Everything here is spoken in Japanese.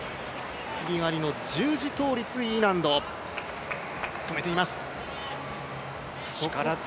十字倒立Ｅ難度、止めています。